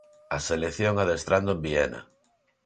A selección adestrando en Viena.